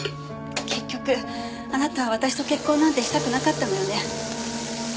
結局あなたは私と結婚なんてしたくなかったのよね。